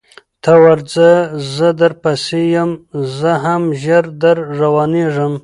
ته ورځه زه در پسې یم زه هم ژر در روانېږم